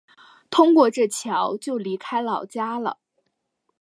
通过这桥就离开老家了